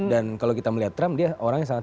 dan kalau kita melihat trump dia orangnya sangat